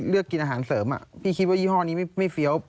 เลือกกินอาหารเสริมพี่คิดว่ายี่ห้อนี้ไม่เฟี้ยว